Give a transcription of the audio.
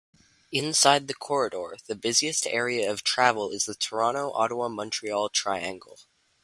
Inside the corridor, the busiest area of travel is the Toronto-Ottawa-Montreal triangle.